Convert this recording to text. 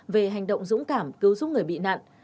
về hành động dũng cảm cứu giúp người bị nạn